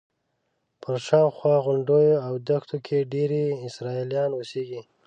پر شاوخوا غونډیو او دښتو کې ډېری یې اسرائیلیان اوسېږي.